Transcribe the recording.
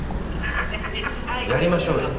やりましょうよ